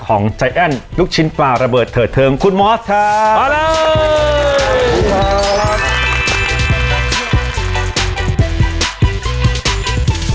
ใจแอ้นลูกชิ้นปลาระเบิดเถิดเทิงคุณมอสครับมาแล้ว